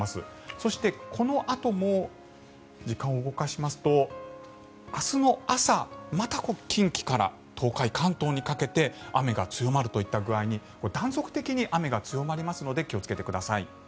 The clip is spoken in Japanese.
そして、このあとも時間を動かしますと明日の朝、また近畿から東海関東にかけて雨が強まるといった具合に断続的に雨が強まりますので気をつけてください。